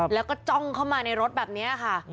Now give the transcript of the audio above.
แล้วก็จ้องเข้ามาในรถแบบนี้ค่ะ